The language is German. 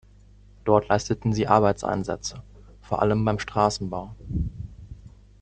Dort leisteten sie Arbeitseinsätze, vor allem beim Straßenbau.